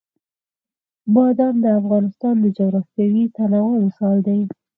بادام د افغانستان د جغرافیوي تنوع مثال دی.